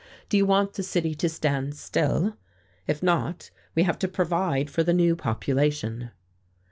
Do you want the city to stand still? If not, we have to provide for the new population."